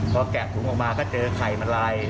พอแกะถุงออกมาก็เจอไข่มาลาย